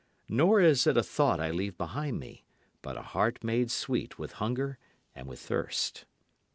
Nor is it a thought I leave behind me, but a heart made sweet with hunger and with thirst.